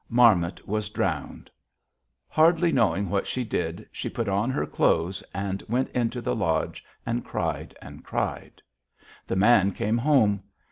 Marmot was drowned. Hardly knowing what she did, she put on her clothes and went into the lodge and cried and cried. The man came home.